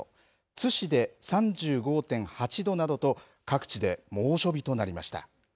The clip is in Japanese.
津市で３５．８度などと各地で猛暑日となりました。